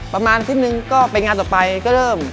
ประมาณทุ่มนึงก็ไปงานต่อไปก็เริ่ม